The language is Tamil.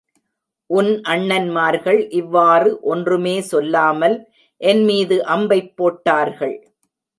உன் அண்ணன்மார்கள் இவ்வாறு ஒன்றுமே சொல்லாமல் என்மீது அம்பைப் போட்டார்கள்.